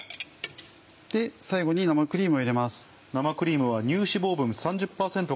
最後に生クリームを入れます。